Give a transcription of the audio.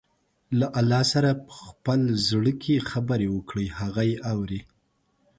له الله سره په خپل زړه کې خبرې وکړئ، هغه يې اوري.